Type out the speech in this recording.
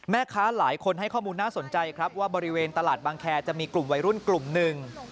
แม่ค้าหลายคนให้ข้อมูลน่าสนใจครับว่าบริเวณตลาดบางแคร์จะมีกลุ่มวัยรุ่นกลุ่มหนึ่ง